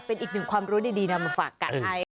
เป็นอีกหนึ่งความรู้ดีนำมาฝากกัน